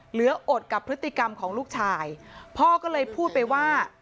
เหลืออดกับพฤติกรรมของลูกชายพ่อก็เลยพูดไปว่า